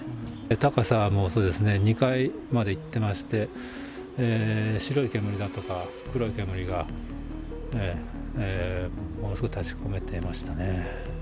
高さも、そうですね、２階までいってまして、白い煙だとか、黒い煙がものすごい立ちこめていましたね。